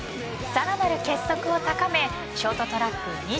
さらなる結束を高めショートトラック